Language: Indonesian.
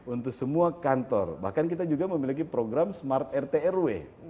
untuk semua kantor bahkan kita juga memiliki program smart rtrw